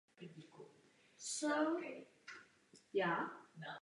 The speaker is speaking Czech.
Většina obyvatel se živí lovem v místních lesích.